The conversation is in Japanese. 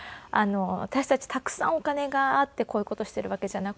「私たちたくさんお金があってこういう事をしているわけじゃなくてね